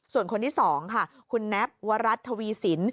ส่วนคนที่๒ค่ะคุณแน็บวรัฐทวีสิน